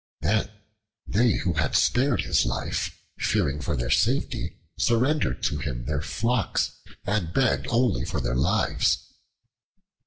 Then they who had spared his life, fearing for their safety, surrendered to him their flocks and begged only for their lives.